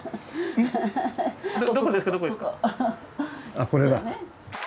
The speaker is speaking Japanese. あっこれだ。